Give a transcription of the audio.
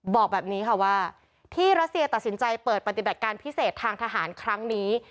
บอกแบบนี้ค่ะว่าที่รัสเซียตัดสินใจเปิดปฏิบัติการพิเศษทางทหารครั้งนี้